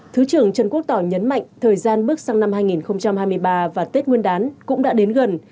thứ trưởng trần quốc tỏ nhấn mạnh thời gian bước sang năm hai nghìn hai mươi ba và tết nguyên đán cũng đã đến gần